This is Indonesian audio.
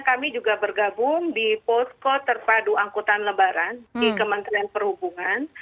kami juga bergabung di posko terpadu angkutan lebaran di kementerian perhubungan